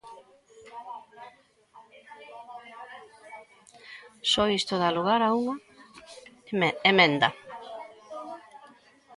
Só isto dá lugar a unha emenda.